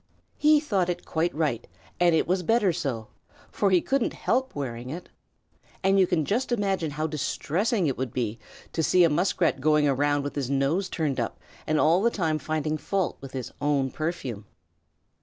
He thought it quite right, and it was better so, for he couldn't help wearing it, and you can just imagine how distressing it would be to see a Muskrat going around with his nose turned up and all the time finding fault with his own perfume.